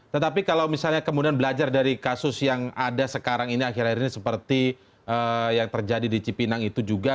tetapi kalau misalnya kemudian belajar dari kasus yang ada sekarang ini akhir akhir ini seperti yang terjadi di cipinang itu juga